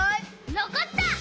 のこった！